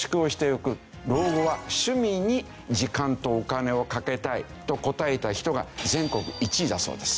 「老後は趣味に時間とお金をかけたい」と答えた人が全国１位だそうです。